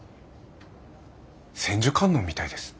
千手観音みたいです。